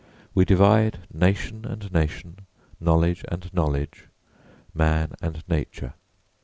We divide nation and nation, knowledge and knowledge, man and nature.